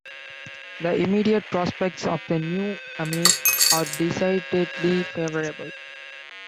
The immediate prospects of the new "amir" are decidedly favourable.